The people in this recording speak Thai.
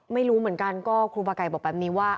ไม่รู้เหมือนกันก็ครูบาไก่บอกแบบนี้ว่า